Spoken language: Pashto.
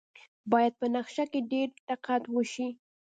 باید په نقشه کې ډیر دقت وشي